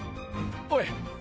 おい！